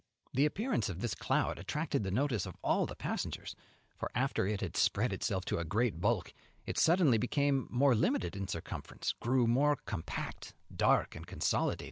The appearance of this cloud attracted the notice of all the passengers; for after it had spread itself to a great bulk, it suddenly became more limited in circumference, grew more compact, dark, and consolidated.